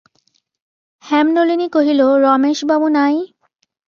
হেমনলিনী কহিল, রমেশবাবু নাই?